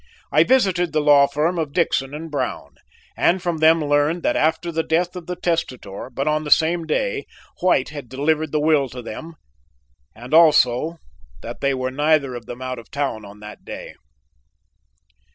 I visited the law firm of Dickson & Brown, and from them learned that after the death of the testator but on the same day White had delivered the will to them and also that they were neither of them out of town on that day.